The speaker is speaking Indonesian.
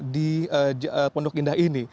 di pondok indah ini